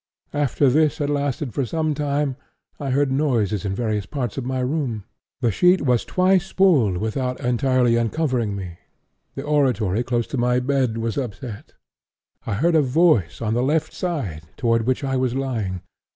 After this had lasted for some time I heard noises in various parts of my room; the sheet was twice pulled without entirely uncovering me; the oratory close to my bed was upset. I heard a voice on the left side, toward which I was lying.